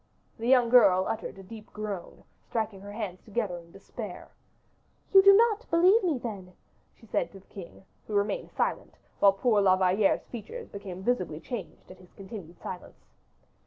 The young girl uttered a deep groan, striking her hands together in despair. "You do not believe me, then," she said to the king, who still remained silent, while poor La Valliere's features became visibly changed at his continued silence.